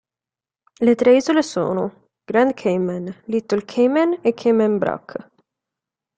Le tre isole sono: Grand Cayman, Little Cayman e Cayman Brac.